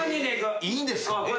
いいんですか？